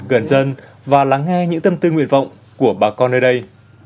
gần dân và lắng nghe những tâm tư nguyện vọng của bà con nơi đây